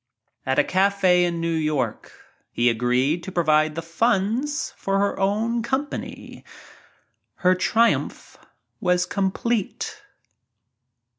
At a cafe in New York he agreed to provide the funds f@r her own company — her triumph was com plete.